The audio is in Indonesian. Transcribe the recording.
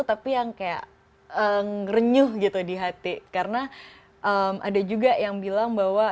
tapi yang kayak renyuh gitu di hati karena ada juga yang bilang bahwa